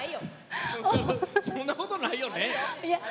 そんなことないよ。